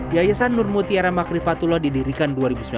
yayasan nur mutiara makrifatullah didirikan dua ribu sembilan belas